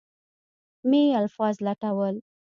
مې الفاظ لټول.